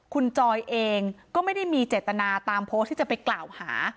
คุณจอยเองก็ไม่ได้มีเจตนาตามโพสต์ที่จะไปกล่าวหา